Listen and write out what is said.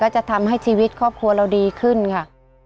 จะทำให้ชีวิตครอบครัวเราดีขึ้นค่ะ